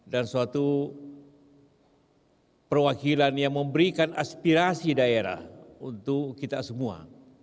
dan suatu perwakilan yang memberikan aspirasi daerah untuk kita semua